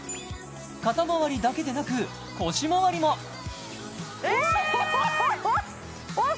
肩まわりだけでなく腰まわりもえーっ？